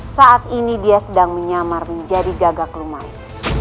saat ini dia sedang menyamar menjadi gagak lumayan